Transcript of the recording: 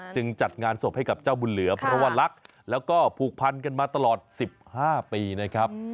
จัดงานศพให้กับเจ้าบุญเหลือเพราะว่ารักแล้วก็ผูกพันกันมาตลอด๑๕ปีนะครับ